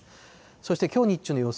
そしてきょう日中の予想